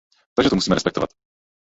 Takže to musíme respektovat.